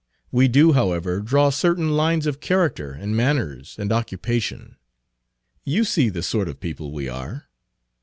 We do, however, draw certain lines of character and manners and occupation. You see the sort of people we are.